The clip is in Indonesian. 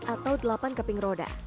atau delapan keping roda